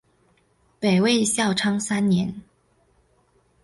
北魏孝昌三年。